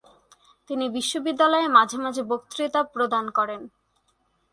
তিনি বিশ্ববিদ্যালয়ে মাঝে মাঝে বক্তৃতা প্রদান করেন।